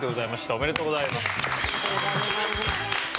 ありがとうございます。